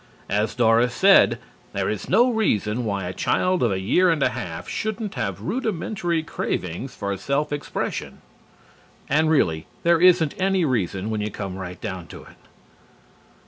As Doris said: "There is no reason why a child of a year and a half shouldn't have rudimentary cravings for self expression." And really, there isn't any reason, when you come right down to it.